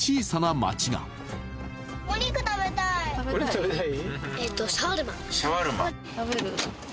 お肉食べたい？